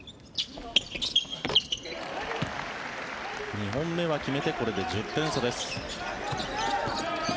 ２本目は決めてこれで１０点差です。